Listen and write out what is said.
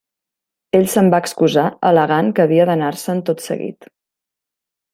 Ell se'n va excusar al·legant que havia d'anar-se'n tot seguit.